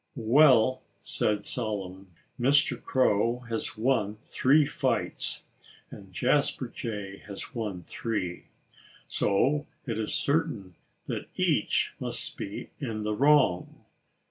"Well," said Solomon, "Mr. Crow has won three fights; and Jasper Jay has won three. So it is certain that each must be in the wrong."